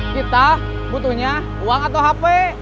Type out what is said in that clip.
kita butuhnya uang atau hp